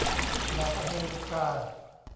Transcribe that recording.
แบบอเมริกา